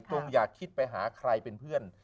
อย่าคิดไปหาใครเป็นเพื่อน